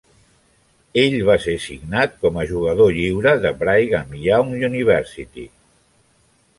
Ell va ser signat com a jugador lliure de Brigham Young University.